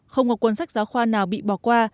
không có cuốn sách giáo khoa nào bị bỏ qua